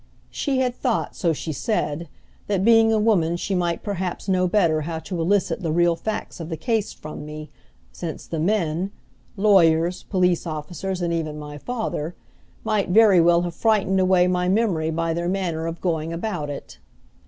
She had thought, so she said, that being a woman she might perhaps know better how to elicit the real facts of the case from me, since the men, lawyers, police officers and even my father, might very well have frightened away my memory by their manner of going about it.